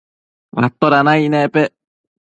atoda naic nepec